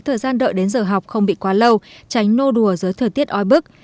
thời gian đợi đến giờ học không bị quá lâu tránh nô đùa dưới thời tiết ói bức